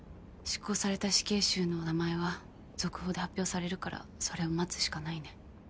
執行された死刑囚の名前は続報で発表されるからそれを待つしかないね。